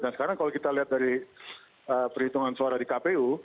dan sekarang kalau kita lihat dari perhitungan suara di kpu